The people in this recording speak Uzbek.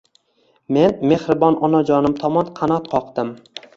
Men mehribon onajonim tomon qanot qoqdim